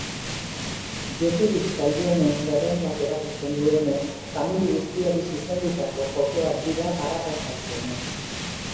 Jokorik salduenen zerrendak erakusten duenez, famili guztiari zuzendutako jokoak dira arrakastatsuenak.